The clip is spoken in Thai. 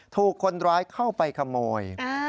ถูกคนร้ายเข้าไปขโมย